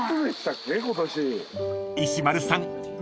［石丸さん